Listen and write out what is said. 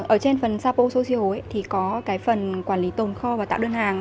ở trên phần sapo social thì có cái phần quản lý tồn kho và tạo đơn hàng